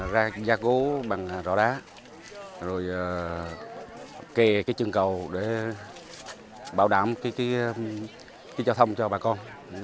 ra gó bằng rõ đá rồi kề cái chân cầu để bảo đảm cái giao thông cho bà con